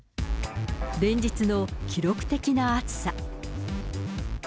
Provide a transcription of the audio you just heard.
連日の記録的な暑さ。